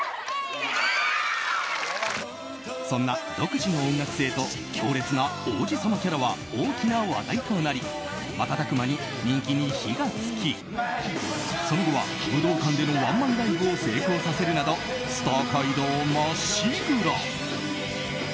そんな独自の音楽性と強烈な王子様キャラは大きな話題となり瞬く間に人気に火が付きその後は武道館でワンマンライブを成功させるなどスター街道まっしぐら！